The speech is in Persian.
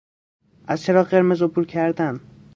از چراغ قرمز عبور کردن